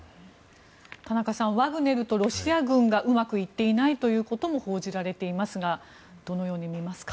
田中さんワグネルとロシア軍がうまくいっていないということも報じられていますがどのように見ますか？